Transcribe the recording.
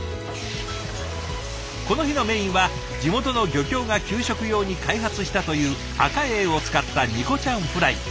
この日のメインは地元の漁協が給食用に開発したというアカエイを使ったニコちゃんフライ。